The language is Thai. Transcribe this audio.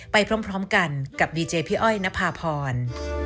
โปรดติดตามตอนต่อไป